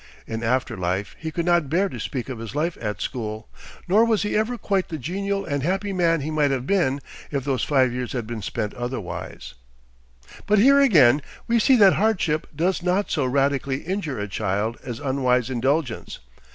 In after life he could not bear to speak of his life at school; nor was he ever quite the genial and happy man he might have been if those five years had been spent otherwise. But here again we see that hardship does not so radically injure a child as unwise indulgence.